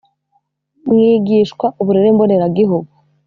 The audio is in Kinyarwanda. mwigishwa uburere mboneragihugu